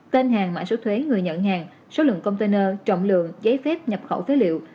tên hàng mã số thuế người nhận hàng số lượng container trọng lượng giấy phép nhập khẩu phế liệu